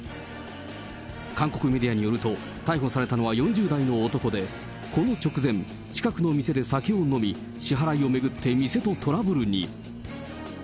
韓国メディアによると、逮捕されたのは４０代の男で、この直前、近くの店で酒を飲み、支払いを巡って店とトラブルに。